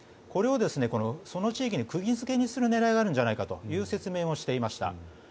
これをその地域に釘付けにする狙いがあるんじゃないかという説明をしていました。